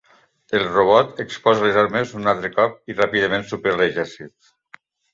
El robot exposa les armes un altre cop i ràpidament supera l'exèrcit.